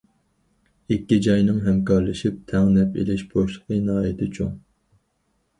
ئىككى جاينىڭ ھەمكارلىشىپ تەڭ نەپ ئېلىش بوشلۇقى ناھايىتى چوڭ.